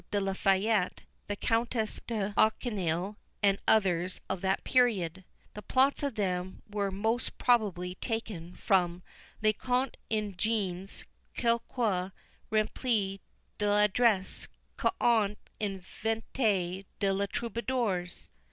de La Fayette, the Countess d'Auneuil, and others of that period. The plots of them were most probably taken from "Les contes ingenus quoique remplis d'addresse Qu'ont inventés les Troubadours."